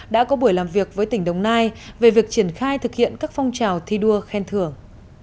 đã có buổi làm việc với tỉnh đồng nai về việc triển khai thực hiện các phong trào thi đua khen thưởng